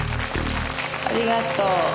ありがとう。